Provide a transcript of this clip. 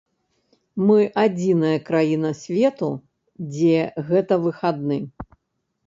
Мы адзіная краіна свету, дзе гэта выхадны.